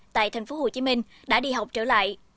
tại tp hcm đã đi học trở lại